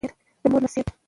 د مور نصېحت